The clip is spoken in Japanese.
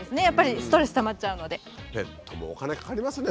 やっぱりストレスたまっちゃうので。